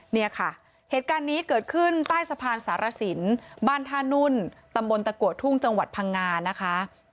เนี่ยค่ะเหตุการณ์นี้เกิดขึ้นใต้สะพานสารสินบ้านท่านุ่นตำบลตะกัวทุ่งจังหวัดพังงานะคะ